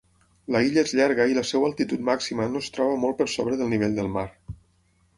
La illa és llarga i la seva altitud màxima no es troba molt per sobre del nivell del mar.